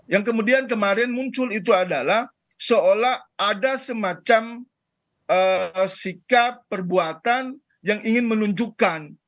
yang kemudian kemarin muncul itu adalah seolah ada semacam sikap perbuatan yang ingin menunjukkan